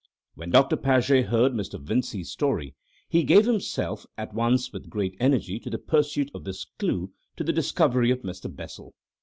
When Doctor Paget heard Mr. Vincey's story, he gave himself at once with great energy to the pursuit of this clue to the discovery of Mr. Bessel.